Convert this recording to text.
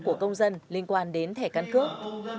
của công dân liên quan đến thẻ căn cước